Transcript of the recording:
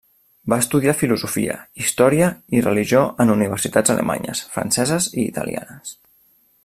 Va estudiar filosofia, història i religió en universitats alemanyes, franceses i italianes.